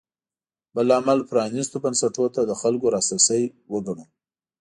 بل لامل پرانېستو بنسټونو ته د خلکو لاسرسی وګڼو.